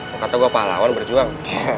kau kata gua pahlawan berjuang